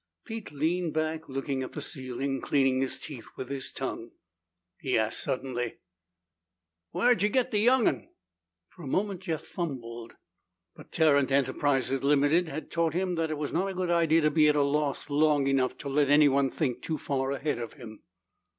Pete leaned back, looking at the ceiling and cleaning his teeth with his tongue. He asked suddenly, "Whar'd ye get the young'un?" For a moment Jeff fumbled. But Tarrant Enterprises, Ltd., had taught him that it was not a good idea to be at a loss long enough to let anyone else think too far ahead of him.